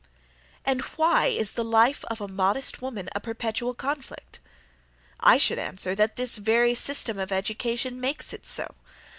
And why is the life of a modest woman a perpetual conflict? I should answer, that this very system of education makes it so.